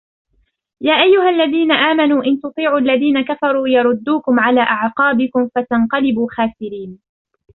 يا أيها الذين آمنوا إن تطيعوا الذين كفروا يردوكم على أعقابكم فتنقلبوا خاسرين